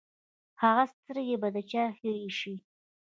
هغه سترګې به د چا هېرې شي!